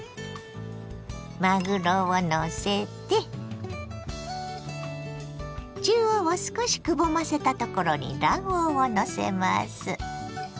まぐろをのせて中央を少しくぼませたところに卵黄をのせます。